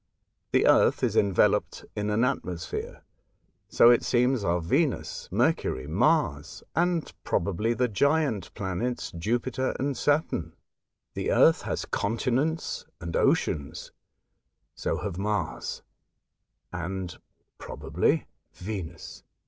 The Earth is enveloped in an atmosphere, — so it seems are Yenus, Mercury, Mars, and probably the giant planets Jupiter and Saturn. The earth has continents and oceans, — so have Mars and (probably) Yenus.